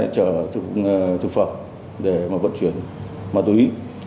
để trở thực phẩm để mà vận chuyển ma túy